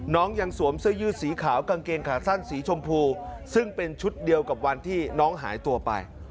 ยังสวมเสื้อยืดสีขาวกางเกงขาสั้นสีชมพูซึ่งเป็นชุดเดียวกับวันที่น้องหายตัวไป